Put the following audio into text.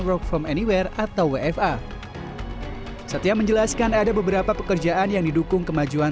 work from anywhere atau wfa satya menjelaskan ada beberapa pekerjaan yang didukung kemajuan